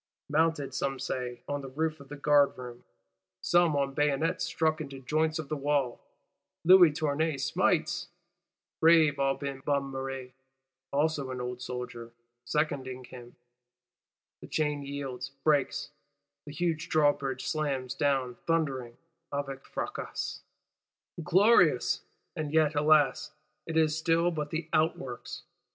Mounted, some say on the roof of the guard room, some "on bayonets stuck into joints of the wall," Louis Tournay smites, brave Aubin Bonnemere (also an old soldier) seconding him: the chain yields, breaks; the huge Drawbridge slams down, thundering (avec fracas). Glorious: and yet, alas, it is still but the outworks.